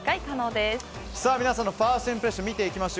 皆さんのファーストインプレッション見ていきましょう。